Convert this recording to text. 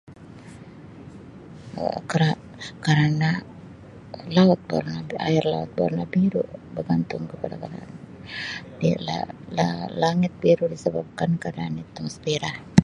Um ke-kerana [unintelligible] air laut berwarna biru bergantung kepada. [unintelligible] La-la-langit biru disebabkan atmosfera.